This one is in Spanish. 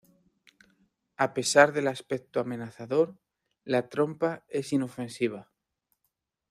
A pesar del aspecto amenazador, la trompa es inofensiva.